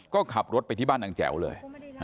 ก็ขับรถไปที่บ้านนางแจ๋วเลย